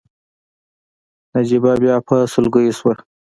نجيبه بيا په سلګيو شوه.